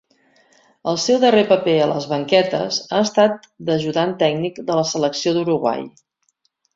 El seu darrer paper a les banquetes ha estat d'ajudant tècnic de la Selecció d'Uruguai.